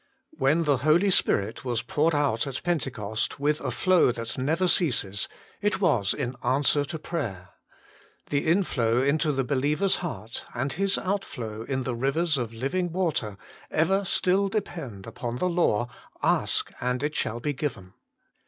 When the Holy Spirit was poured out at Pentecost with a flow that never ceases, it was in answer to prayer. The inflow into the believer s heart, and His outflow in the rivers of living water, ever still depend upon the law :" Ask, and it shall be given."